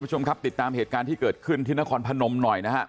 คุณผู้ชมครับติดตามเหตุการณ์ที่เกิดขึ้นที่นครพนมหน่อยนะฮะ